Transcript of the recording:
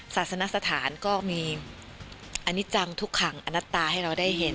ศาสนสถานก็มีอันนี้จังทุกขังอนัตตาให้เราได้เห็น